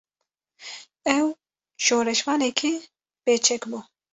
Ew, şoreşvanekî bê çek bû